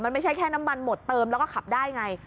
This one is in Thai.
มันไม่ใช่แค่น้ำมันหมดเติมแล้วก็ขับได้ไง